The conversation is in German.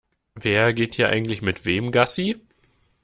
Wer geht hier eigentlich mit wem Gassi?